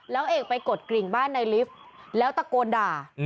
แล้วเอกไปกดกลิ่งบ้านในลิฟต์แล้วตะโกนด่า